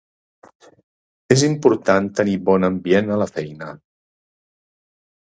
És important tenir bon ambient a la feina.